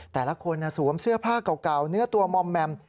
แต่ละคนสวมเสื้อผ้าเก่าเนื้อตัวมอมแมม